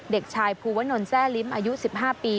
เด็กชายภูวนลแซ่ลิ้มอายุ๑๕ปี